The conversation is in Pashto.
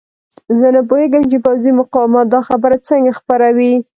زه نه پوهېږم چې پوځي مقامات دا خبره څنګه خپروي.